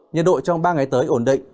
nhiệt độ trong ba ngày tới ổn định